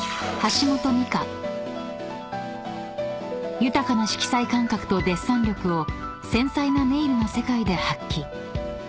［豊かな色彩感覚とデッサン力を繊細なネイルの世界で発揮］